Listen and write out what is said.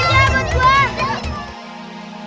sini gua aja buat gua